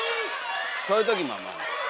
そういうときもまあまあ。